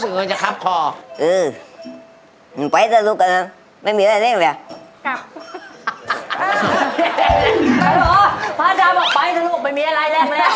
มีพี่หอยพี่ตะกะตาแล้วก็พี่อ๋ย